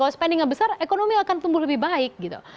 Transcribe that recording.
spendingnya besar ekonomi akan tumbuh lebih baik gitu